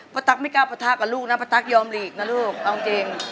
ตั๊กไม่กล้าปะทะกับลูกนะป้าตั๊กยอมหลีกนะลูกเอาจริง